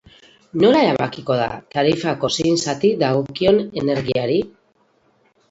Nola erabakiko da tarifako zein zati dagokion energiari?